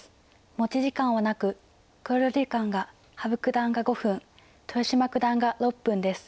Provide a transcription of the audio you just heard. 持ち時間はなく考慮時間が羽生九段が５分豊島九段が６分です。